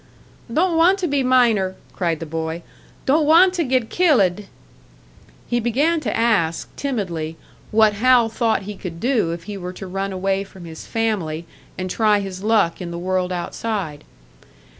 "Don't want to be miner!" cried the boy. "Don't want to get kil lid!" He began to ask, timidly, what Hal thought he could do if he were to run away from his family and try his luck in the world outside.